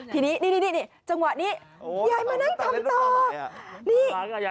ทีนี้นี่จังหวะนี้ยายมานั่งคำตอบ